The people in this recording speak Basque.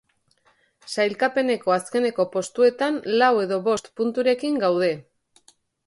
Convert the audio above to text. Sailkapeneko azkeneko postuetan lau eta bost punturekin gaude.